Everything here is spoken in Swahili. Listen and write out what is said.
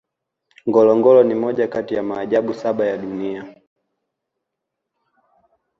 ngorongoro ni moja kati ya maajabu saba ya dunia